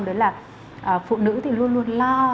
đấy là phụ nữ thì luôn luôn lo